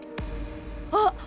あっ！